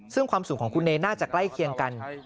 ซึ่งความสุขของคุณเนยน่าจะใกล้เคียงกัน